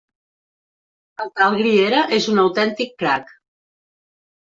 El tal Griera és un autèntic crac.